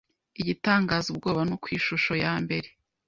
Igitangaza ubwoba no kwishusho yambere